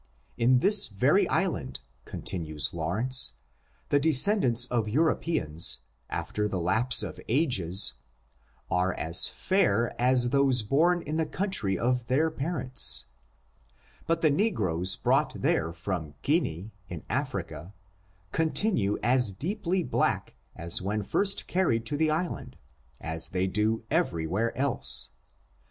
In this very island, continues Law rence, the descendants of Europeans, after the lapse of ages, are as fair as those born in the country of their parents; but the negroes brought there from Guinea, in Africa, continue as deeply black as when first carried to the island, as they do everywhere else.